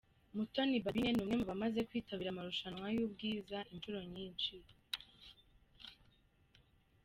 Mutoni Balbine ni umwe mu bamaze kwitabira amarushanwa y’ubwiza inshuro nyinshi.